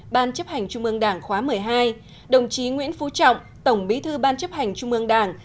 ban chấp hành trung ương đảng khóa một mươi hai đồng chí nguyễn phú trọng tổng bí thư ban chấp hành trung ương đảng